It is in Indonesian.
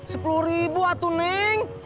sepuluh ribu atu neng